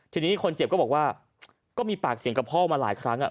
ทีนี้คนเจ็บก็บอกว่าก็มีปากเสียงกับพ่อมาหลายครั้ง